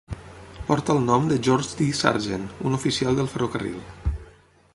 Porta el nom de George D. Sargent, un oficial del ferrocarril.